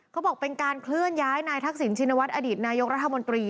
เขาบอกเป็นการเคลื่อนย้ายนายทักษิณชินวัฒนอดีตนายกรัฐมนตรี